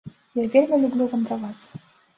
Я вельмі люблю вандраваць!